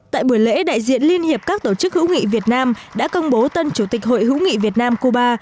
tại buổi lễ đại diện liên hiệp các tổ chức hữu nghị việt nam đã công bố tân chủ tịch hội hữu nghị việt nam cuba